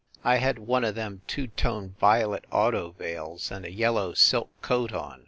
I had one o them two toned violet auto veils and a yellow silk coat on.